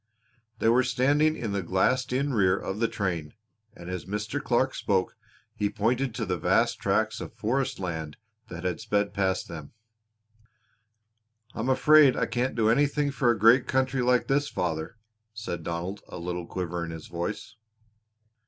They were standing in the glassed in rear of the train, and as Mr. Clark spoke he pointed to vast tracts of forest land that sped past them. "I am afraid I can't do anything for a great country like this, father," said Donald, a little quiver in his voice.